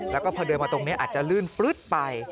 แล้วก็พอเดินมาตรงนี้อาจจะลื่นฟลึ๊ดไป